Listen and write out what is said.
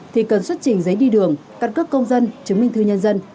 thì cần xuất trình giấy đi đường căn cước công dân chứng minh thư nhân dân